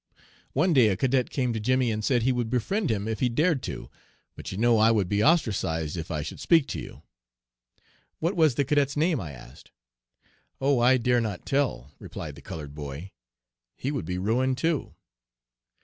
"One day a cadet came to Jimmy and said he would befriend him if he dared to, 'but you know I would be ostracized if I should speak to you.' "'What was the cadet's name?' I asked. "'Oh, I dare not tell?' replied the colored boy. 'He would be ruined, too.'